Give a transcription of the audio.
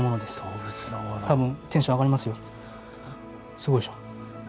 すごいでしょ？